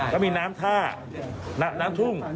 ก็มีน้ำท่าน้ำทุ่ง